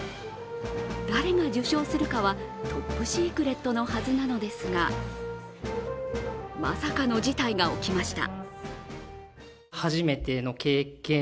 誰が受賞するかはトップシークレットのはずなのですがまさかの事態が起きました。